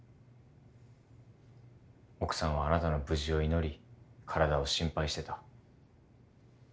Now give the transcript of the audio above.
奥さんはあなたの無事を祈り体を心配してた。